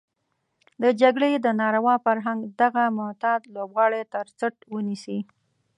د جګړې د ناروا فرهنګ دغه معتاد لوبغاړی تر څټ ونيسي.